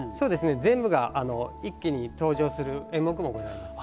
全部が一気に登場する演目もございます。